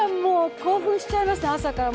興奮しちゃいました、朝から。